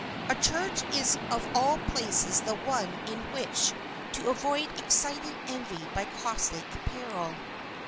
A church is of all places the one in which to avoid exciting envy by costly apparel.